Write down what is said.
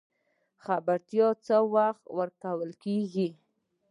خبرتیا څه وخت ورکول کیږي؟